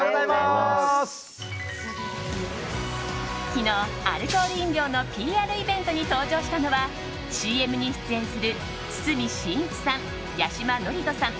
昨日、アルコール飲料のＰＲイベントに登場したのはＣＭに出演する堤真一さん、八嶋智人さん